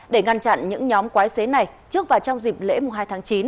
để ngăn chặn những nhóm quái xế này trước và trong dịp lễ hai tháng chín